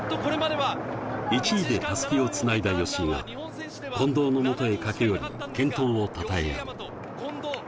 １位で襷をつないだ吉居が近藤の元へ駆け寄り、健闘をたたえ合う。